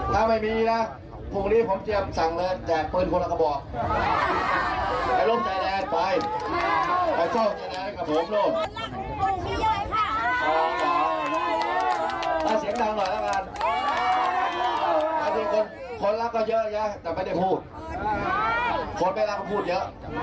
คนไปแล้วพูดเยอะ